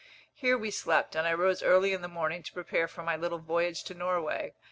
Here we slept; and I rose early in the morning to prepare for my little voyage to Norway.